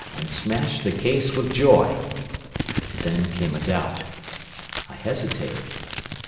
and smashed the case with joy. Then came a doubt. I hesitated.